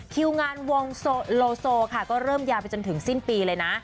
คิวงานวงโลโซค่ะก็เริ่มยาวไปจนถึงสิ้นปีเลยนะ